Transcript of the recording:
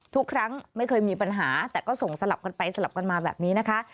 ทุกครั้งไม่เคยมีปัญหาแต่ก็ส่งสลับกันไปสลับกันมาแบบนี้นะคะ